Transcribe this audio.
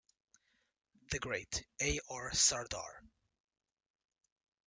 The great A. R. Sardar.